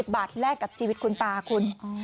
บาทแลกกับชีวิตคุณตาคุณ